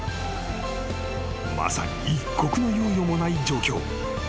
［まさに一刻の猶予もない状況］